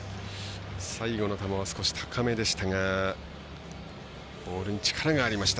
最後の球は少し高めでしたがボールに力がありました。